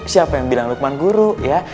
siapa yang bilang lukman guru ya